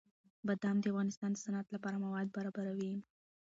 بادام د افغانستان د صنعت لپاره مواد برابروي.